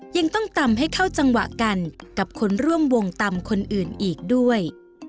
ยังต้องตำให้เข้าจังหวะกันกับคนร่วมวงตำคนอื่นอีกด้วย